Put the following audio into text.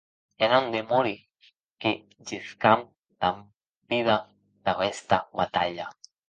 Ja non demori que gescam damb vida d’aguesta batalha.